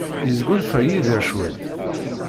Yesgunfa Yidir cwiṭ?